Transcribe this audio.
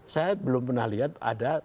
saya belum pernah lihat ada